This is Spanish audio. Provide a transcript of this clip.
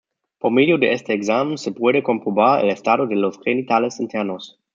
Por medio de este examen se puede comprobar el estado de los genitales internos.